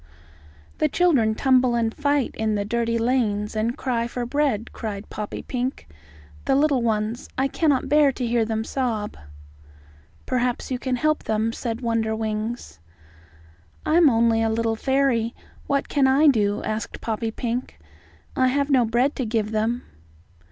"The children tumble and fight in the dirty lanes, and cry for bread," cried Poppypink. "The little ones, I cannot bear to hear them sob." "Perhaps you can help them," said Wonderwings. "I am only a little fairy. What can I do?" asked Poppypink. "I have no bread to give them."